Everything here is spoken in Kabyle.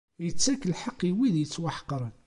Ittak lḥeqq i wid yettwaḥeqren.